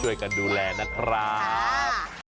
ช่วยกันดูแลนะครับ